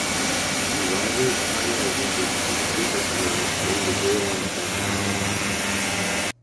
Driver's primary interest in Clipper Tours was the Gray Line franchise that it held.